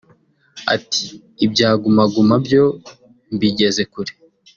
Ati “Ibya Guma Guma byo mbigeze kure